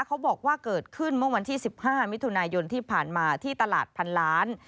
เขาบอกว่าเกิดขึ้นเมื่อวันที่๑๕มิถุนายนที่ผ่านมาที่ตลาดพันล้าน